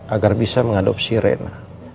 agar bisa mengadopsi rena